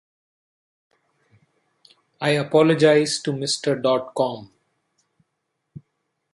I apologize to Mr Dotcom.